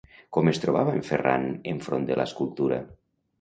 Com es trobava en Ferran en front de l'escultura?